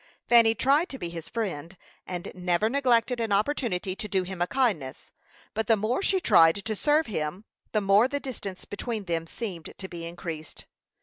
Fanny tried to be his friend, and never neglected an opportunity to do him a kindness; but the more she tried to serve him, the more the distance between them seemed to be increased.